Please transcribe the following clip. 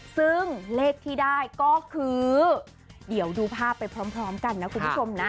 ซึ่งเลขที่ได้ก็คือเดี๋ยวดูภาพไปพร้อมกันนะคุณผู้ชมนะ